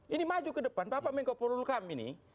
ini maju ke depan bapak menko polulkam ini